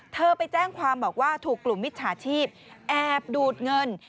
เธอไปแจ้งความบอกว่าถูกกลุ่มมิจฉาชีพแอบดูดเงิน